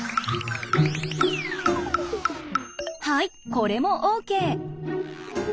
はいこれもＯＫ。